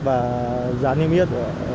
và giá niêm yết